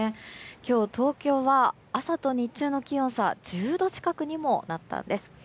今日、東京は朝と日中の気温差が１０度近くにもなったんです。